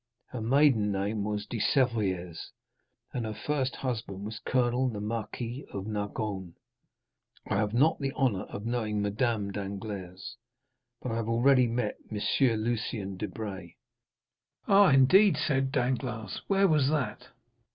Her maiden name was De Servières, and her first husband was Colonel the Marquis of Nargonne." "I have not the honor of knowing Madame Danglars; but I have already met M. Lucien Debray." "Ah, indeed?" said Danglars; "and where was that?"